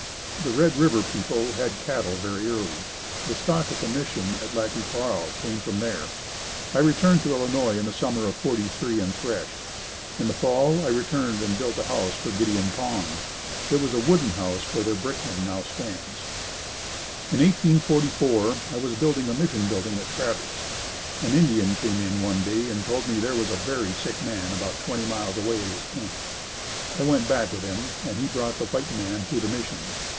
The Red River people had cattle very early. The stock at the mission at Lac qui Parle came from there. I returned to Illinois in the summer of '43 and threshed. In the Fall I returned and built a house for Gideon Pond. It was a wooden house where their brick house now stands. In 1844, I was building a mission building at Traverse. An Indian came in one day and told me there was a very sick man about twenty miles away at his camp. I went back with him and we brought the white man to the mission.